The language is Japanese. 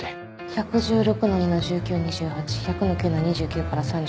１１６−２−１９ ・２０・ ８１００−９−２９３１